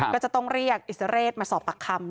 ก็จะต้องเรียกอิสเรศมาสอบปากคำ